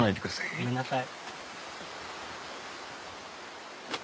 ごめんなさい。